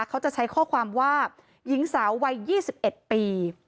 เขาจะใช้ข้อความว่าหญิงสาววัยยี่สิบเอ็ดปี